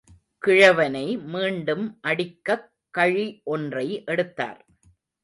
கிழவனை மீண்டும் அடிக்கக் கழி ஒன்றை எடுத்தார்.